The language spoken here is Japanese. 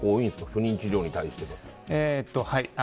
不妊治療に対して。